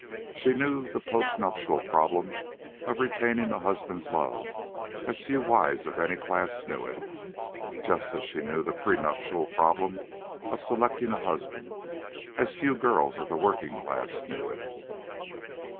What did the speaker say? She knew the post nuptial problem of retaining a husband's love, as few wives of any class knew it, just as she knew the pre nuptial problem of selecting a husband, as few girls of the working class knew it.